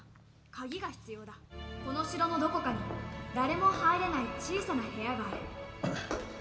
この城のどこかに誰も入れない小さな部屋がある。